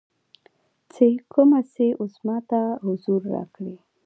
څې کومه کې اوس ماته حضور راکړی